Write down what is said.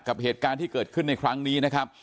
กับเหตุการณ์ที่เกิดขึ้นในครั้งนี้นะครับ